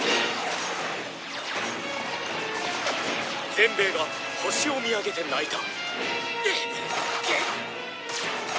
「全米が星を見上げて泣いた」